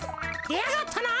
でやがったな！